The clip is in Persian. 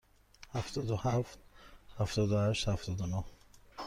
هفتاد و هفت، هفتاد و هشت، هفتاد و نه.